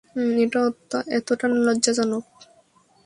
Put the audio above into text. এটা এতটা লজ্জাজনক।